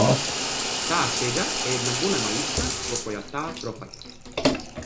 Таа сега е една голема уста во која таа пропаѓа.